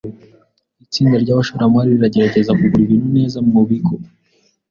Itsinda ryabashoramari riragerageza kugura ibintu neza mubigo.